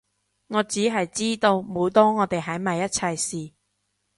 我只係知道每當我哋喺埋一齊時